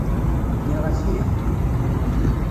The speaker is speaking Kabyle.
Nniɣ-ak ih.